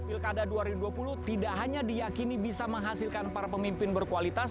pilkada dua ribu dua puluh tidak hanya diyakini bisa menghasilkan para pemimpin berkualitas